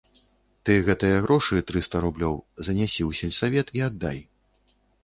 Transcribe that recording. Ты гэтыя грошы, трыста рублёў, занясі ў сельсавет і аддай.